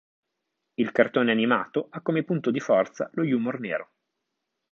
Il cartone animato ha come punto di forza lo humour nero.